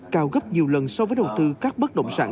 cao gấp nhiều lần so với đầu tư các bất động sản